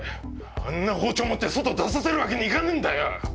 あんな包丁持って外出させるわけにいかねえんだ。